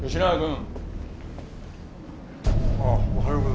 はい。